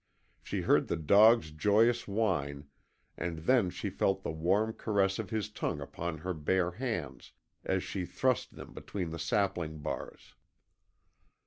She heard the dog's joyous whine, and then she felt the warm caress of his tongue upon her bare hands as she thrust them between the sapling bars.